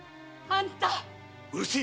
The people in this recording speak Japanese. あんた。